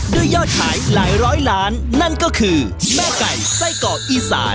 ยอดขายหลายร้อยล้านนั่นก็คือแม่ไก่ไส้เกาะอีสาน